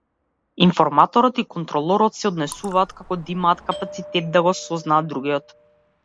Информаторот и контролорот се однесуваат како да имаат капацитет да го сознаат другиот.